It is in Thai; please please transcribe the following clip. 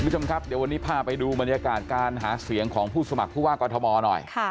วันนี้พาไปดูบรรยากาศการหาเสียงของผู้สมัครผู้ว่างกอทมหน่อย